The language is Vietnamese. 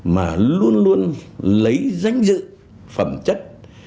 mà luôn luôn lấy danh dự phẩm chất